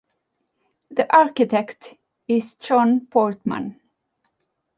The architect is John Portman.